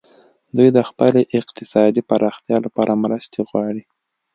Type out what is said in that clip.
دوی د خپلې اقتصادي پراختیا لپاره مرستې غواړي